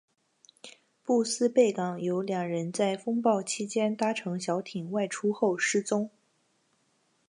布斯贝港有两人在风暴期间搭乘小艇外出后失踪。